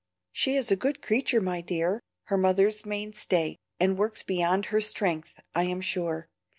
"She is a good creature, my dear, her mother's main stay, and works beyond her strength, I am sure.